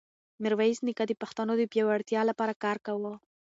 میرویس نیکه د پښتنو د پیاوړتیا لپاره کار کاوه.